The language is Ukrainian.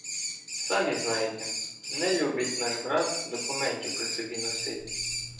Самі знаєте — не любить наш брат документів при собі носити.